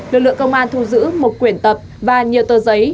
lực lượng công an thu giữ một quyển tập và nhiều tờ giấy